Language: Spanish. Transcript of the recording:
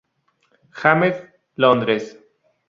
James, Londres.